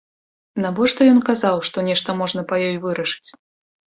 Навошта ён казаў, што нешта можна па ёй вырашыць?